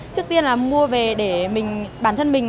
trước tiên là mua về để bản thân mình